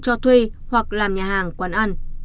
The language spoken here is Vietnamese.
cho thuê hoặc làm nhà hàng quán ăn